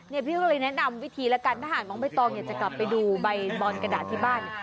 เนี่ยพี่ก็เลยแนะนำวิธีแล้วกันถ้าหากมองไปต้องอยากจะกลับไปดูใบบอลกระดาษที่บ้าน